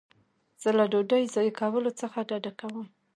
زه له ډوډۍ ضایع کولو څخه ډډه کوم.